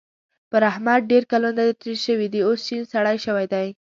پر احمد ډېر کلونه تېر شوي دي؛ اوس شين سری شوی دی.